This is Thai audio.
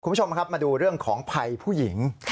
คุณผู้ชมครับมาดูเรื่องของภัยผู้หญิง